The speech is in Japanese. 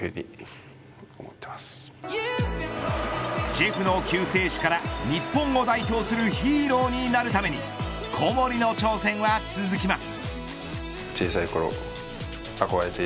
ジェフの救世主から日本を代表するヒーローになるために小森の挑戦は続きます。